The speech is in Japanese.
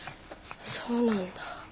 そうなんだ